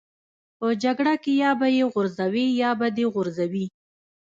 په جګړه کې یا به یې غورځوې یا به دې غورځوي